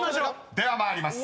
［では参ります。